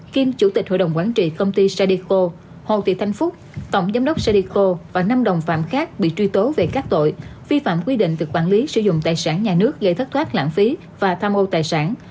kiêm chủ tịch hội đồng quản trị công ty sadeco hồ thị thanh phúc tổng giám đốc cdco và năm đồng phạm khác bị truy tố về các tội vi phạm quy định về quản lý sử dụng tài sản nhà nước gây thất thoát lãng phí và tham ô tài sản